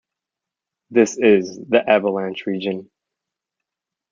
This is the "avalanche" region.